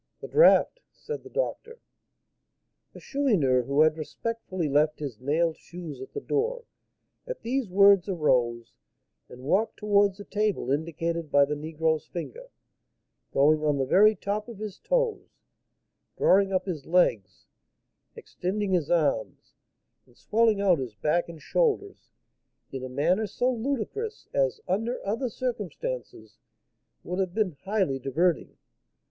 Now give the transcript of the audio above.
"The draught!" said the doctor. The Chourineur, who had respectfully left his nailed shoes at the door, at these words arose, and walked towards the table indicated by the negro's finger; going on the very top of his toes, drawing up his legs, extending his arms, and swelling out his back and shoulders, in a manner so ludicrous as, under other circumstances, would have been highly diverting.